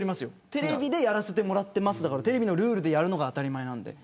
テレビでやらせてもらっていますだからテレビのルールが当たり前です。